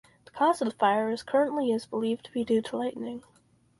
The cause of the fire is currently is believed to be due to lightning.